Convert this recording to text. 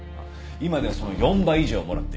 今ではその４倍以上もらっている。